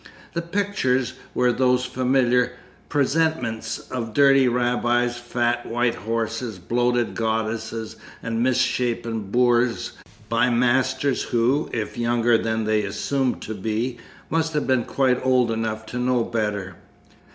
The pictures were those familiar presentments of dirty rabbits, fat white horses, bloated goddesses, and misshapen boors, by masters who, if younger than they assume to be, must have been quite old enough to know better.